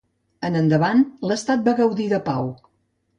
En endavant l'estat va gaudir de pau.